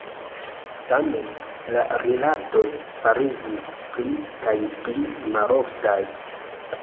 Tamen, la rilatoj fariĝis pli kaj pli maloftaj.